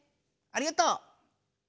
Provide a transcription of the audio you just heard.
ありがとう！